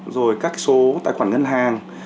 rồi các số tài khoản ngân hàng